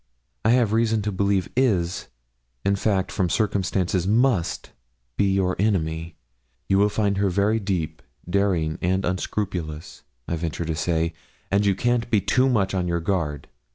I have reason to believe is in fact, from circumstances, must be your enemy; you will find her very deep, daring, and unscrupulous, I venture to say, and you can't be too much on your guard.